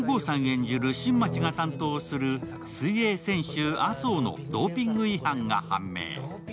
演じる新町が担当する水泳選手・麻生のドーピング違反が判明。